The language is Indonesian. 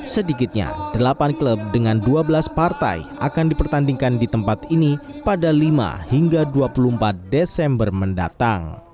sedikitnya delapan klub dengan dua belas partai akan dipertandingkan di tempat ini pada lima hingga dua puluh empat desember mendatang